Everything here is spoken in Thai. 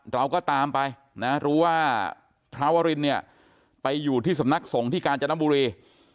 เราก็ตามไปนะรู้ว่าพระวรินเนี่ยไปอยู่ที่สำนักสงฆ์ที่กาญจนบุรี